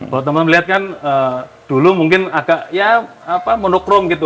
kalau teman teman melihat kan dulu mungkin agak monochrome gitu